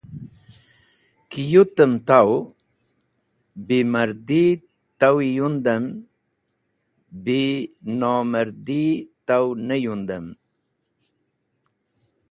Ki yutem taw, beh mardi tawi yundem, beh nomardi taw neh yundem.